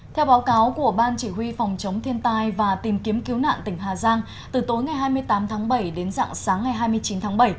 theo báo cáo của ban chỉ huy phòng chống thiên tai và tìm kiếm cứu nạn tỉnh hà giang từ tối ngày hai mươi tám tháng bảy đến dạng sáng ngày hai mươi chín tháng bảy